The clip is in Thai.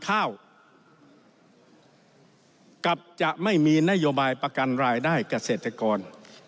ข้าวกับจะไม่มีนโยบายประกันรายได้เกษตรกร